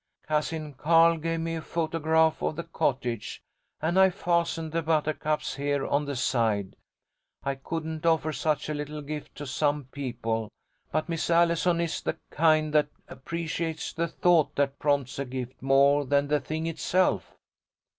Cousin Carl gave me a photograph of the cottage, and I fastened the buttercups here on the side. I couldn't offer such a little gift to some people, but Miss Allison is the kind that appreciates the thought that prompts a gift more than the thing itself."